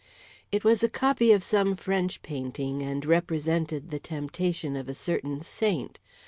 It was a copy of some French painting, and represented the temptation of a certain saint.